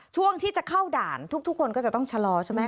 ช่วงที่จะเข้าด่านทุกคนก็จะต้องชะลอใช่ไหม